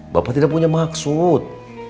bapak tidak punya maksud